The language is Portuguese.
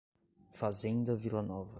Fazenda Vilanova